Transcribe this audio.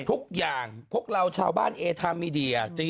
ทุกอย่างพวกเราชาวบ้านเอทามีเดีย